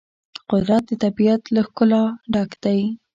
قدرت د طبیعت له ښکلا ډک دی.